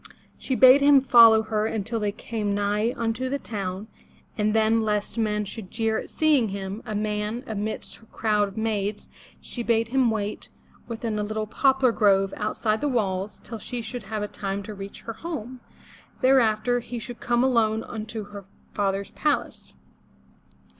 She bade him follow her until they came nigh unto the town, and then, lest men should jeer at seeing him, a man, amidst her crowd of maids, she bade him wait within a little poplar grove outside the walls till she should have had time to reach her home. Thereafter he should come alone unto her father's palace.